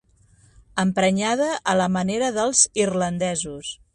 Emprenyada a la manera dels irlandesos.